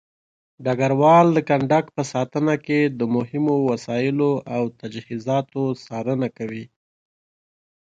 ډګروال د کندک په ساتنه کې د مهمو وسایلو او تجهيزاتو څارنه کوي.